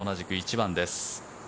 そして同じく１番です。